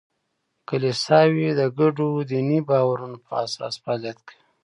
کلیساوې د ګډو دیني باورونو په اساس فعالیت کوي.